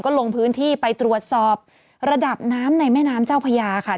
ลงพื้นที่ไปตรวจสอบระดับน้ำในแม่น้ำเจ้าพญาค่ะ